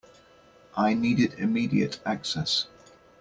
I needed immediate access.